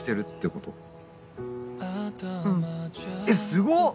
えっすごっ！